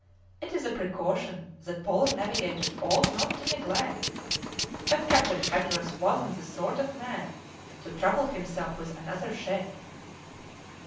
"It is a precaution that Polar navigators ought not to neglect, but Captain Hatteras wasn't the sort of man to trouble himself with another ship."